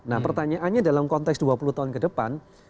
nah pertanyaannya dalam konteks dua puluh tahun ke depan